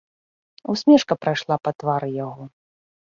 Усмешка прайшла па твары яго.